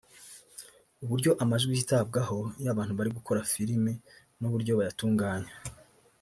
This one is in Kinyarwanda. uburyo amajwi yitabwaho iyo abantu bari gukora filimi n’uburyo bayatunganya